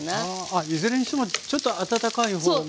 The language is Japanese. いずれにしてもちょっと温かいほうが。